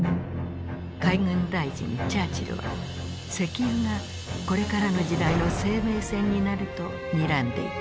海軍大臣チャーチルは石油がこれからの時代の生命線になるとにらんでいた。